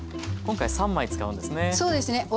今回３枚使うんですね。